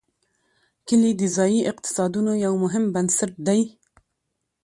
کلي د ځایي اقتصادونو یو مهم بنسټ دی.